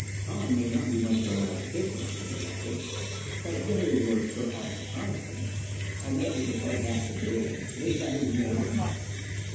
"Hahn may not be much of a mathematician," I suggested. "But there is your Sir Arthur Coniston." I managed a sarcastic grin. "Is that his name?"